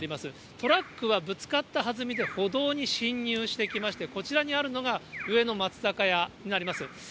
トラックはぶつかったはずみで歩道に進入してきまして、こちらにあるのが上野松坂屋になります。